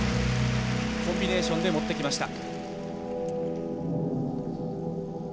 コンビネーションで持ってきました。